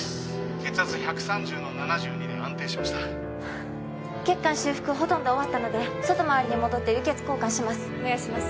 血圧１３０の７２で安定しました血管修復ほとんど終わったので外回りに戻って輸血交換しますお願いします